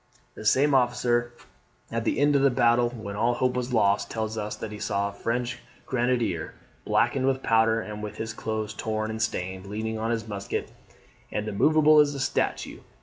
The same officer, at the end of the battle, when all hope was lost, tells us that he saw a French grenadier, blackened with powder, and with his clothes torn and stained, leaning on his musket, and immoveable as a statue.